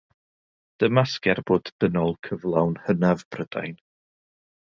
Dyma sgerbwd dynol cyflawn hynaf Prydain.